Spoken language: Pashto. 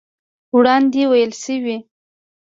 وړاندې ويل شوي